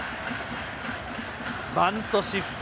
バントシフト。